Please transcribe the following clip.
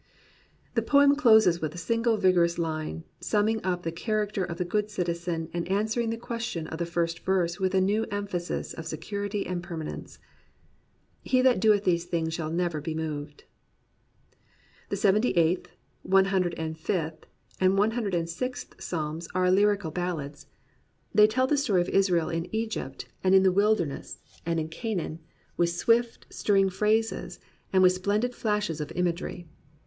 The poem closes with a single vigourous line, sum ming up the character of the good citizen and an swering the question of the first verse with a new emphasis of security and permanence: He that doeth these things shall never be moved. The Seventy eighth, One Hundred and Fifth, and One Hundred and Sixth Psalms are lyrical 5S POETRY IN THE PSALMS ballads. They tell the story of Israel in Egypt, and in the Wilderness, and in Canaan, with swift, stirring phrases, and with splendid flashes of imagery.